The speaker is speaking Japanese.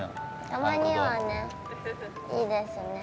たまにはねいいですね。